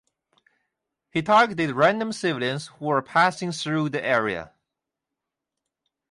He targeted random civilians who were passing through the area.